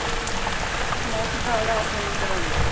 このひざがポイントなんですけど。